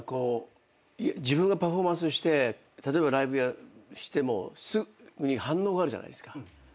自分がパフォーマンスして例えばライブしても反応があるじゃないですか。